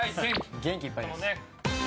元気いっぱいです。